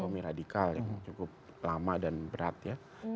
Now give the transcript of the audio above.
di oktomi radikal yang cukup lama dan berat ya